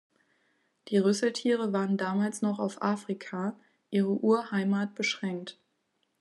Die Rüsseltiere waren damals noch auf Afrika, ihre Urheimat beschränkt.